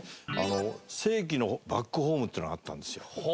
世紀のバックホームっていうのがあったんですよ。